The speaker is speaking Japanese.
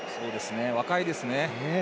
若いですね。